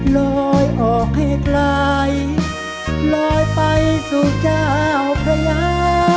ลอยออกให้ไกลลอยไปสู่เจ้าพระยา